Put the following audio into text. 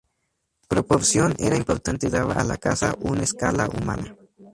Proporción era importante dar a la casa un escala humana.